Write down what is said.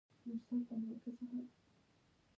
سړی د بل چا حق نه خوري!